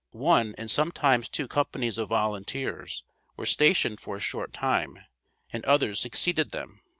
One and sometimes two companies of volunteers were stationed for a short time, and others succeeded them.